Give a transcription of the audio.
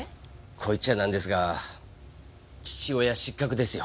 こう言っちゃなんですが父親失格ですよ